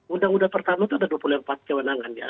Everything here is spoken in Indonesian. undang undang pertama itu ada dua puluh empat kewenangan ya